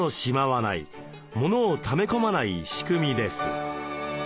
モノをため込まない仕組みです。